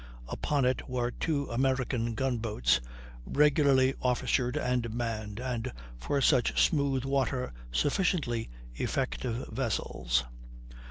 Upon it were two American gun boats, regularly officered and manned, and for such smooth water sufficiently effective vessels.